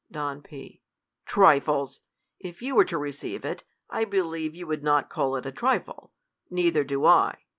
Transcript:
Don P, Trifles! If you were to receive it, I believe you would not call it a trifle ; neither do I.